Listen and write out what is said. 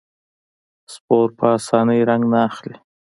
سپور په اسانۍ رنګ نه اخلي.